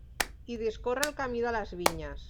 Hi discorre el Camí de les Vinyes.